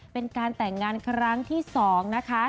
เป็นการแต่งงานครั้งที่๒นะคะ